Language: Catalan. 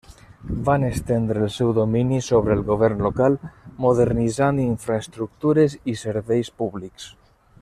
Van estendre el seu domini sobre el govern local, modernitzant infraestructures i serveis públics.